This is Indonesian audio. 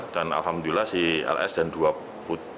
dan alhamdulillah si ls dan dua putri